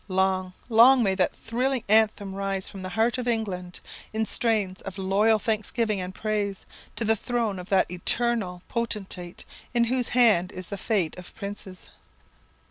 Long, long may that thrilling anthem rise from the heart of England, in strains of loyal thanksgiving and praise, to the throne of that Eternal Potentate in whose hand is the fate of princes!